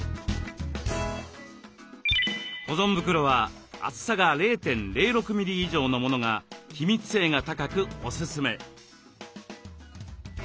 保存袋は厚さが０．０６ミリ以上のものが気密性が高くおすすめ。